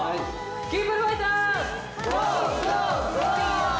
キンプリファイターズ！